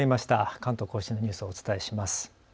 関東甲信のニュースをお伝えします。